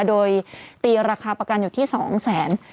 โดยตีราคาประกันอยู่ที่๒แสน